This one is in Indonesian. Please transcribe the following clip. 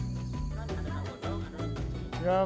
seorang penyakit yang terkenal di rumahnya adalah tumenggung